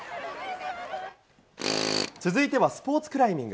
続いてはスポーツクライミング。